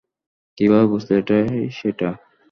কীভাবে বুঝলে এটাই সেটা?